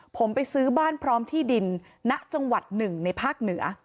ผมไปซื้อบ้านพร้อมที่ดินณจังหวัดหนึ่งในภาคเหนือ